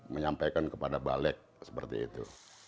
menyampaikan kepada balik seperti itu